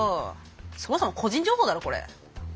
そもそも個人情報だろこれ。